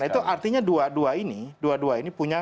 itu artinya dua dua ini punya pengaruh